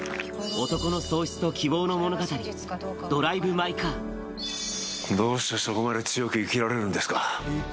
男の喪失と希望の物語、ドライブどうしてそこまで強く生きられるんですか。